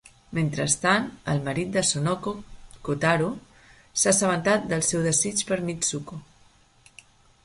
Mentrestant, el marit de Sonoko, Kotaro, s'ha assabentat del seu desig per Mitsuko.